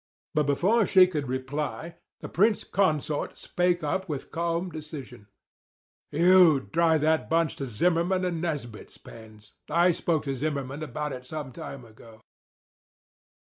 But before she could reply, the prince consort spake up with calm decision: "You drive that bunch to Zimmerman and Nesbit's pens. I spoke to Zimmerman about it some time ago."